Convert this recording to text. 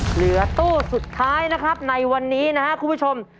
เหลือตู้สุดท้ายนะครับในวันนี้นะครับคุณผู้ชม